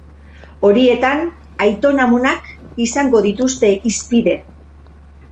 Horietan, aiton-amonak izango dituzte hizpide.